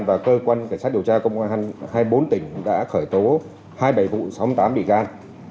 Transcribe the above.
và cơ quan cảnh sát điều tra công an hai mươi bốn tỉnh đã khởi tố hai mươi bảy vụ sáu mươi tám bị can